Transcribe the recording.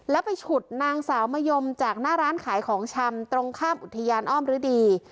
แล้วไปฉุดนางสาวมะยมจากหน้าร้านขายของชำตรงข้ามอุทยานอ้อมฤดี